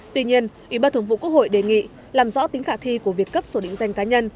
tuy nhiên ủy ban thường vụ quốc hội đề nghị làm rõ tính khả thi của việc cấp số định danh cá nhân